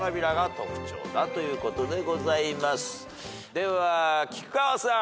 では菊川さん。